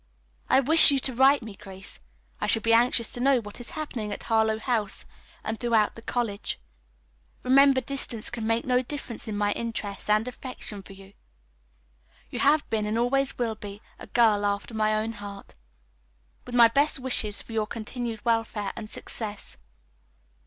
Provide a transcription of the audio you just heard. I wish you to write me, Grace. I shall be anxious to know what is happening at Harlowe House and throughout the college. Remember distance can make no difference in my interest and affection for you. You have been, and always will be, a girl after my own heart. With my best wishes for your continued welfare and success.